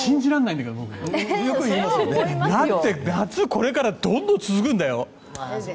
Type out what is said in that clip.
だって、夏これからどんどん続くんだよ。